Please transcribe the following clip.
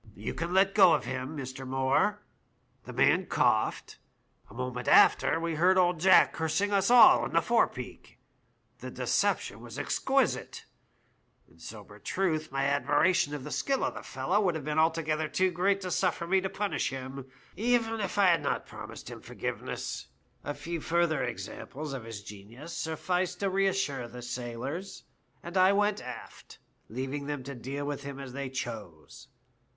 You can let go of him, Mr. Moore.' " The man coughed ; a moment after we heard old Jack cursing us all in the forepeak. The deception was exquisite ; in sober truth, my admiration of the skill of the fellow would have been altogether too great to suffer me to punish him, even had I not promised him forgive ness. A few further examples of his genius sufficed to reassure the sailors, and I went aft, leaving them to deal with him as they chose.